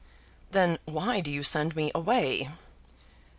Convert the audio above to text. "Then why do you send me away?"